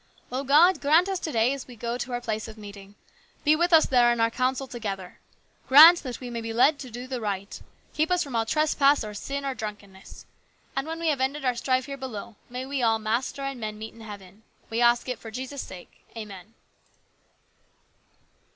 " O God, grant us a blessing to day as we go to our place of meeting. Be with us there in our council together. Grant that we may be led to do the right. Keep us all from trespass, or sin, or drunkenness. And when we have ended our strife here below, may we all, master and men, meet in heaven. We ask it for Jesus' sake. Amen."